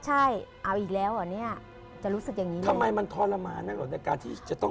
จะต้องเห็นตรงวิทยาศาสตร์